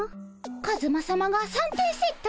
カズマさまが三点セットに！